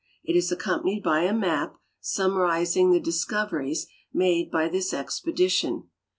It is accomi)anied by a map summarizing the discoveries maile by this exj)edition.